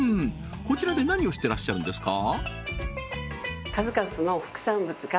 こちらで何をしてらっしゃるんですか？